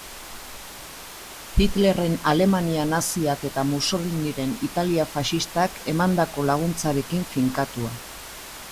Hitlerren Alemania naziak eta Mussoliniren Italia faxistak emandako laguntzarekin finkatua.